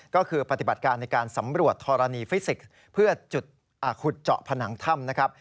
ก็คือปฏิบัติการในการสำรวจธรณีฟิสิกส์เพื่อจุดขุดเจาะผนังถ้ำนะครับ